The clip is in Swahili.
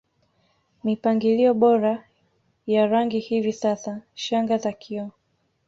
mipangilio bora ya rangi Hivi sasa shanga za kioo